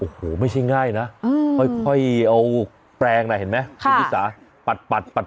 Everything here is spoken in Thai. โอ้โหไม่ใช่ง่ายนะค่อยเอาแปรงนะเห็นไหมชีวิตศาสตร์